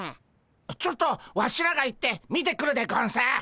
ちょっとワシらが行って見てくるでゴンス。